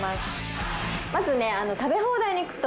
まずね食べ放題に行くと。